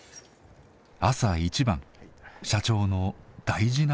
朝一番社長の大事な務め。